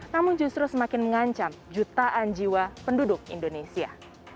namun justru semakin mengancam jutaan jiwa penduduk indonesia